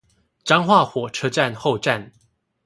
彰化火車站後站